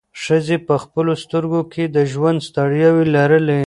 ښځې په خپلو سترګو کې د ژوند ستړیاوې لرلې.